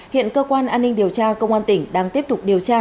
hiện cơ quan an ninh điều tra công an tỉnh đang tiếp tục điều tra